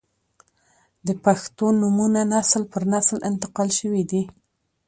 • د پښتو نومونه نسل پر نسل انتقال شوي دي.